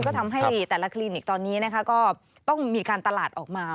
ก็ทำให้แต่ละคลินิกตอนนี้นะคะก็ต้องมีการตลาดออกมา